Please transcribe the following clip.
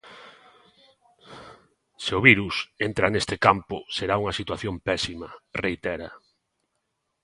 "Se o virus entra neste campo será unha situación pésima", reitera.